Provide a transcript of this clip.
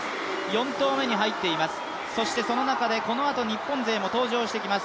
４投目に入っています、そしてその中でこのあと日本勢も登場してきます。